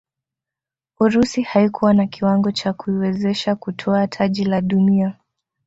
urusi haikuwa na kiwango cha kuiwezesha kutwaa taji la dunia